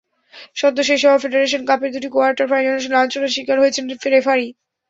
সদ্য শেষ হওয়া ফেডারেশন কাপের দুটি কোয়ার্টার ফাইনালে লাঞ্ছনার শিকার হয়েছেন রেফারি।